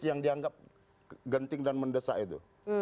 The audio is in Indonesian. yang dianggap genting dan mendesak itu